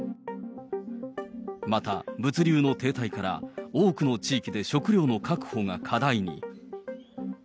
また物流の停滞から、多くの地域で食料の確保が課題に。